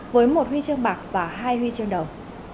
với một huy chương bạc và hai huy chương đồng